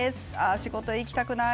仕事に行きたくない。